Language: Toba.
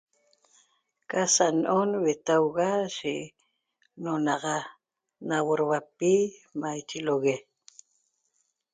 Ca sa no'on huetauga yi n'onaxa lauoduapi maiche ilo'ogue